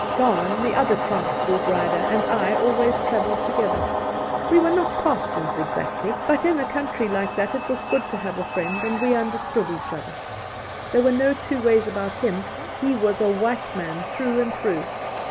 Gowan, the other transport rider, and I always travelled together. We were not partners exactly, 38 Soltke but in a country like that it was good to have a friend, and we understood each other. There were no two .ways about him ; he was a white man through and through.